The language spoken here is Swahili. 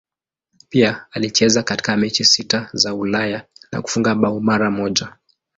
Pia alicheza katika mechi sita za Ulaya na kufunga bao mara moja.